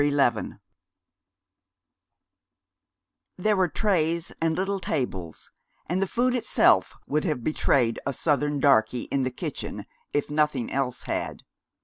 XI There were trays and little tables, and the food itself would have betrayed a southern darky in the kitchen if nothing else had.